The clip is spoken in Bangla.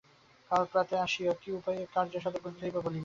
কাল প্রাতে আসিয়ো, কী উপায়ে এ কার্য সাধন করিতে হইবে কাল বলিব।